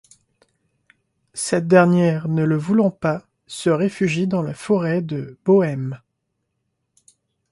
Cette dernière, ne le voulant pas, se réfugie dans la forêt de Bohême.